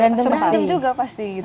berantem juga pasti gitu